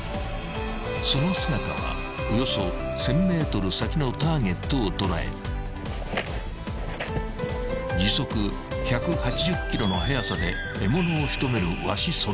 ［その姿はおよそ１，０００ｍ先のターゲットを捉え時速１８０キロの速さで獲物を仕留めるワシそのもの］